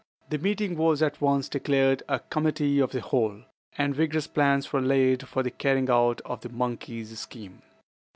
The meeting was at once declared a "Committee of the Whole," and vigorous plans were laid for the carrying out of the monkey's scheme.